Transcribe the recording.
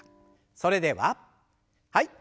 それでははい。